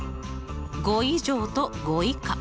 ５以上と５以下。